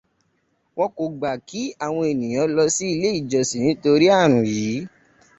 Wọn kò gbà kí àwọn ènìyàn lọ sí ilé ìjọsìn nítorí ààrùn yìí.